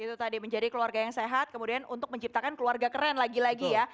itu tadi menjadi keluarga yang sehat kemudian untuk menciptakan keluarga keren lagi lagi ya